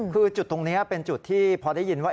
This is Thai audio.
คือจุดตรงนี้เป็นจุดที่พอได้ยินว่า